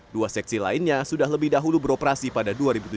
dua seksi lainnya sudah lebih dahulu beroperasi pada dua ribu tujuh belas